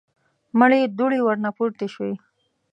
مړې دوړې ورنه پورته شوې.